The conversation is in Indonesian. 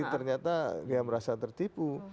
ternyata dia merasa tertipu